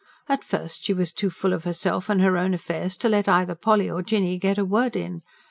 At first she was too full of herself and her own affairs to let either Polly or Jinny get a word in.